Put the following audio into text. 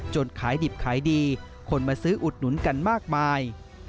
ขายดิบขายดีคนมาซื้ออุดหนุนกันมากมาย